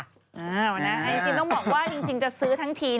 เอาจริงต้องบอกว่าจริงจะซื้อทั้งที